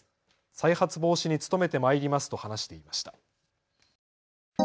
再発防止に努めてまいりますと話していました。